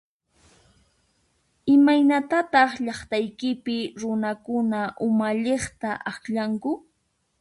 Imaynatataq llaqtaykipi runakuna umalliqta akllanku ?